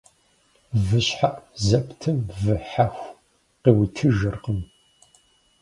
Вы щхьэӀу зэптым вы хьэху къыуитыжыркъым.